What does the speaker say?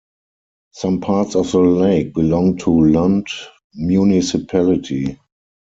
Some parts of the lake belong to Lund Municipality.